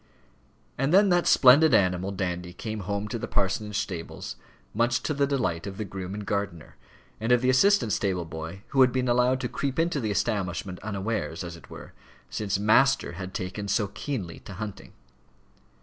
And then that splendid animal, Dandy, came home to the parsonage stables, much to the delight of the groom and gardener, and of the assistant stable boy who had been allowed to creep into the establishment, unawares as it were, since "master" had taken so keenly to hunting.